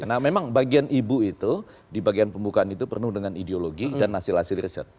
nah memang bagian ibu itu di bagian pembukaan itu penuh dengan ideologi dan hasil hasil riset